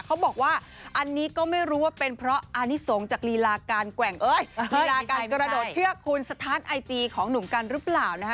เขาบอกว่าอันนี้ก็ไม่รู้ว่าเป็นเพราะอานิสงฆ์จากรีลาการกระโดดเชื่อคุณสถานไอจีของหนุ่มกันรึเปล่านะคะ